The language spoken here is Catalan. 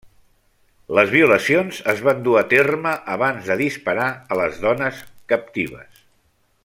Les violacions es van dur a terme abans de disparar a les dones captives.